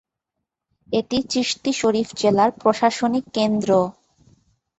এটি চিশতি শরীফ জেলার প্রশাসনিক কেন্দ্র।